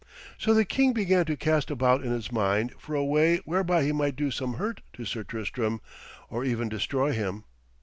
So the king began to cast about in his mind for a way whereby he might do some hurt to Sir Tristram, or even destroy him.